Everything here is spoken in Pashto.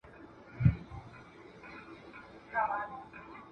له سهاره راته ناست پر تش دېګدان دي ..